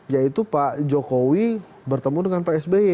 yaitu pak jokowi bertemu dengan pak sby